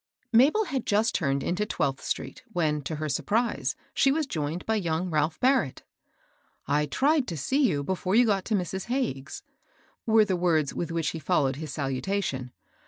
[|ABEL had just turned into Twelfth street, when, to her surprise, she was joined by young Ralph Barrett. " I tried to see you before you got to Mrs. Hagges's" were the words with which he followed his salutation.